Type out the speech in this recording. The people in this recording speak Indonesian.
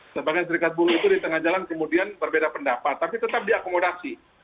sebagai serikat buruh itu di tengah jalan kemudian berbeda pendapat tapi tetap diakomodasi